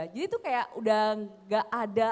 jadi tuh kayak udah gak ada